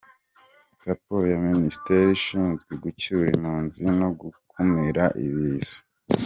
Raporo ya Minisiteri ishinzwe gucyura impunzi no gukumira ibiza.